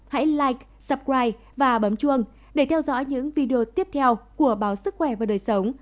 hãy live supride và bấm chuông để theo dõi những video tiếp theo của báo sức khỏe và đời sống